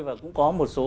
và cũng có một số